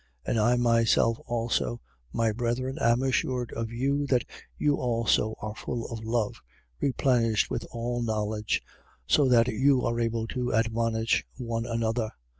15:14. And I myself also, my brethren, am assured of you that you also are full of love, replenished with all knowledge, so that you are able to admonish one another.